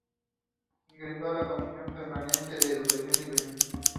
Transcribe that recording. Integró la comisión permanente de Educación y Beneficencia.